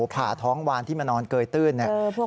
ผ่าท้องวานที่มานอนเกยตื้นเนี่ย